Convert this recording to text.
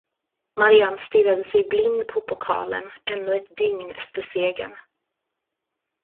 Marianne stirrade sig blind på pokalen ännu ett dygn efter segern.